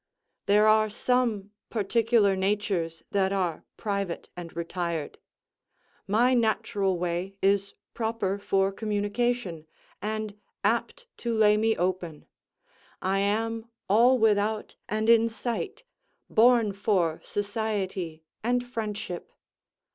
There are some particular natures that are private and retired: my natural way is proper for communication, and apt to lay me open; I am all without and in sight, born for society and friendship.